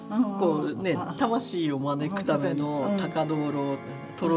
魂を招くための高灯籠灯籠